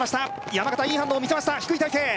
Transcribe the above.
山縣いい反応を見せました低い体勢